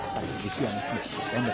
pada musim sembilan september